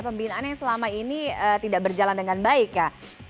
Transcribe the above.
pembinaan yang selama ini tidak berjalan dengan baik ya